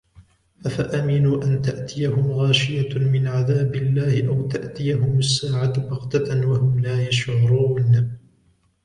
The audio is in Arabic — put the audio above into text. أفأمنوا أن تأتيهم غاشية من عذاب الله أو تأتيهم الساعة بغتة وهم لا يشعرون